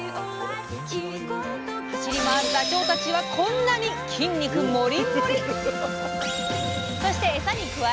走り回るダチョウたちはこんなに筋肉モリモリ！